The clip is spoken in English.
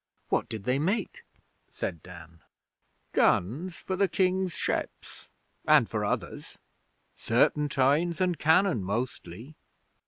'What did they make?' said Dan. 'Guns for the King's ships and for others. Serpentines and cannon mostly.